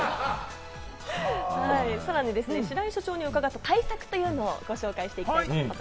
さらに白井所長に伺った対策というのをご紹介していきます。